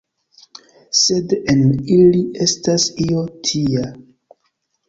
Sed en ili estas io tia!